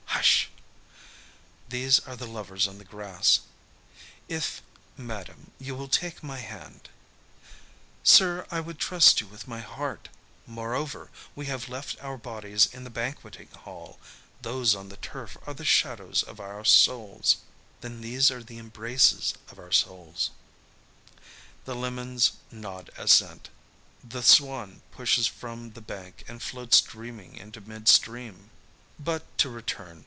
Hush! These are the lovers on the grass. "If, madam, you will take my hand " "Sir, I would trust you with my heart. Moreover, we have left our bodies in the banqueting hall. Those on the turf are the shadows of our souls." "Then these are the embraces of our souls." The lemons nod assent. The swan pushes from the bank and floats dreaming into mid stream. "But to return.